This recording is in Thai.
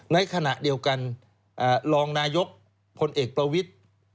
ในขณะเดียวกันรองนายกพลเอกประวิทธิ์